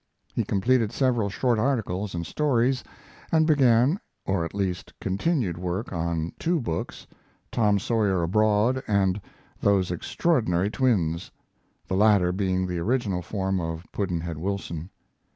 He completed several short articles and stories, and began, or at least continued work on, two books 'Tom Sawyer Abroad' and 'Those Extraordinary Twins' the latter being the original form of 'Pudd'nhead Wilson'.